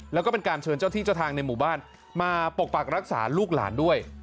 แล้วก็เป็นการเชิญเจ้าที่เจ้าทางในหมู่บ้านมาปกปักรักษาลูกหลานด้วย